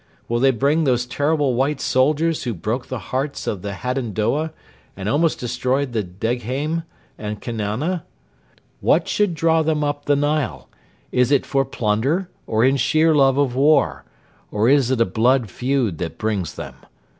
Will they bring those terrible white soldiers who broke the hearts of the Hadendoa and almost destroyed the Degheim and Kenana? What should draw them up the Nile? Is it for plunder, or in sheer love of war; or is it a blood feud that brings them?